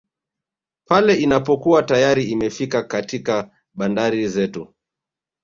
Pale inapokuwa tayari imefika katika bandari zetu